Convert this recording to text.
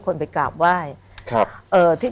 คุณซูซี่